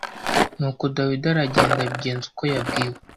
Nuko Dawidi aragenda abigenza uko yabwiwe